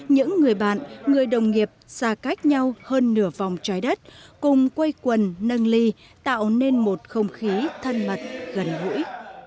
người đồng nghiệp xa cách nhau hơn nửa vòng trái đất cùng quay quần nâng ly tạo nên một không khí thân mật gần gũi